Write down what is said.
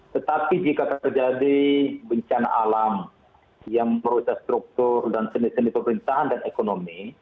tetapi jika terjadi bencana alam yang merusak struktur dan seni seni pemerintahan dan ekonomi